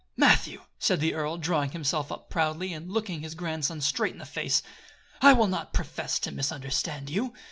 "Matthew," said the earl, drawing himself up proudly, and looking his grandson straight in the face, "I will not profess to misunderstand you.